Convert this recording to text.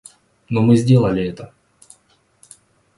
Но мы сделали это.